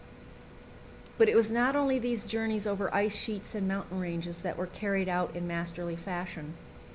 But it was not only these journeys over ice sheets and mountain ranges that were carried out in masterly fashion.